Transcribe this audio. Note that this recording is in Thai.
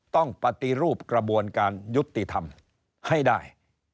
ต้องปฏิรูปกระบวนการยุติธรรมให้ได้